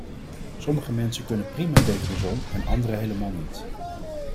Sommige mensen kunnen prima tegen de zon en andere helemaal niet.